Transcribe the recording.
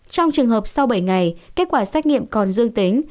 trong trường hợp sau bảy ngày kết quả xét nghiệm còn dương tính